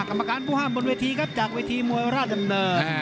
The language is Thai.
กรรมการผู้ห้ามบนเวทีครับจากเวทีมวยราชดำเนิน